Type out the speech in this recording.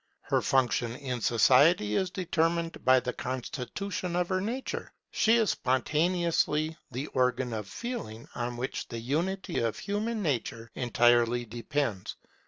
Her function in society is determined by the constitution of her nature. She is spontaneously the organ of Feeling, on which the unity of human nature entirely depends.